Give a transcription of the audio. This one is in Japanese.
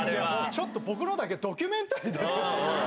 ちょっと、僕のだけドキュメンタリーですよ。